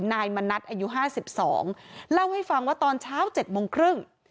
นายมณัฏอายุห้าสิบสองเล่าให้ฟังว่าตอนเช้าเจ็ดโมงครึ่ง